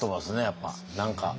やっぱ何か。